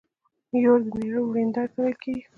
يور د مېړه ويرنداري ته ويل کيږي.